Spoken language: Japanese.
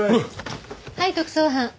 はい特捜班。